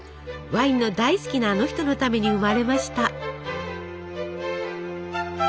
ワインの大好きなあの人のために生まれました。